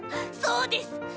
そうです！